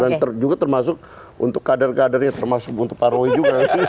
dan juga termasuk untuk kader kadernya termasuk untuk pak roy juga